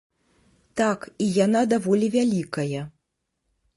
Так, і яна даволі вялікая.